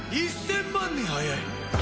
１０００万年早い！